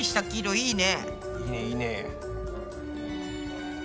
いいね。